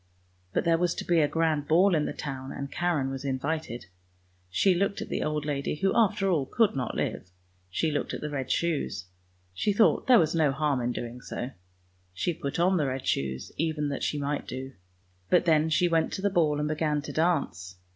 But there was to be a grand ball in the town, and Karen was invited. She looked at the old lady, who after all could not live; she looked at the red shoes; she thought there was no harm in doing so. She put on the red shoes, even that she might do ; but then she went to the ball and began to dance!